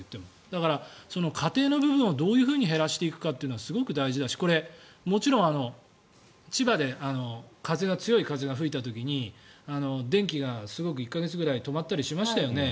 だから、家庭の部分をどう減らしていくかというのはすごく大事ですしもちろん千葉で強い風が吹いた時に電気が１か月ぐらい止まったりしましたよね。